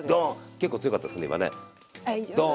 結構強かったですね今ね。